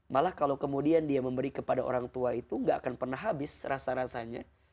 malah kalau kemudian dia memberi kepada orang tua itu gak akan pernah habis rasa rasanya